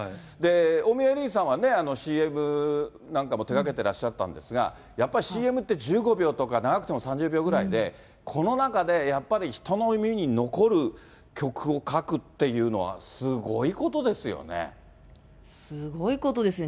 大宮エリーさんは、ＣＭなんかも手がけてらっしゃったんですが、やっぱりＣＭって１５秒とか長くても３０秒ぐらいで、この中でやっぱり人の耳に残る曲を書くっていうのは、すごいことですよね。